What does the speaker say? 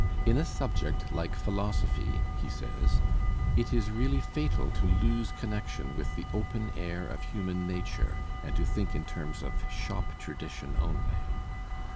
"In a subject like philosophy," he says, "it is really fatal to lose connection with the open air of human nature, and to think in terms of shop tradition only."